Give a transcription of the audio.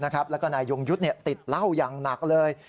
แล้วก็นายยงยุทธ์ติดเหล้าอย่างหนักเลย